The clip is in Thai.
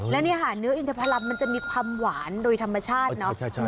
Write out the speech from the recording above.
และเนื้ออินทรัพย์ลำมันจะมีความหวานโดยธรรมชาตินะ